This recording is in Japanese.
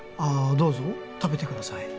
どうぞ食べてください